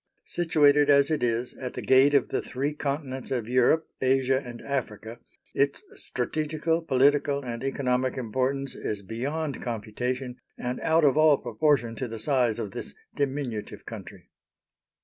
Situated as it is at the Gate of the three Continents of Europe, Asia, and Africa, its strategical, political, and economic importance is beyond computation and out of all proportion to the size of this diminutive country.